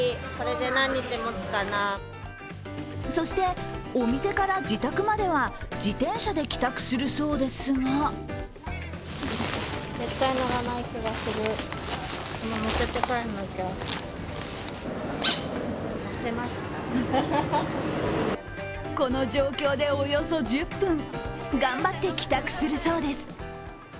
そして、お店から自宅までは自転車で帰宅するそうですがこの状況でおよそ１０分、頑張って帰宅するそうです。